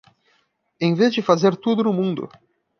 Em vez de fazer tudo no mundo